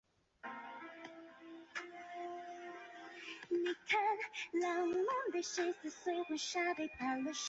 阿格里皮娜成了反提贝里乌斯一派的重要人物。